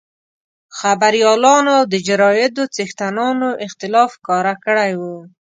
خبریالانو او د جرایدو څښتنانو اختلاف ښکاره کړی وو.